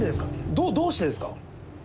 どどうしてですか？